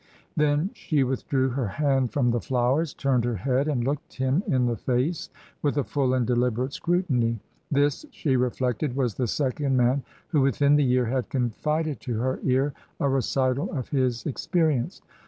Then she withdrew her hand from the flowers, turned her head, and looked him in the face with a full and deliberate scrutiny. This, she reflected, was the second man who within the year had confided to her ear a recital of his experience.